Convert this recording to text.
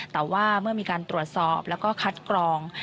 แต่ว่าเมื่อมีการตรวจสอบแล้วก็คัดกรอง